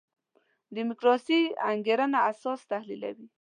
دیموکراسي انګېرنه اساس تحلیلوي.